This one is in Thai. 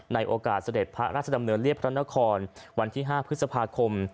โอกาสเสด็จพระราชดำเนินเรียบพระนครวันที่๕พฤษภาคม